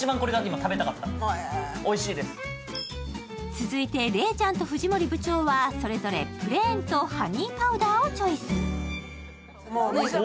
続いて礼ちゃんと藤森部長はそれぞれプレーンとハニーパウダーをチョイス。